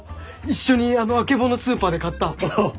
一緒にあの曙スーパーで買った。